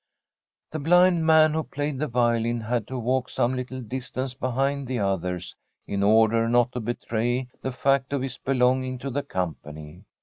The blind man, who played the violin, had to walk some little distance behind the others in or der not to betray the fact of his belonging to the company.